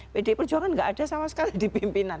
pdi perjuangan nggak ada sama sekali di pimpinan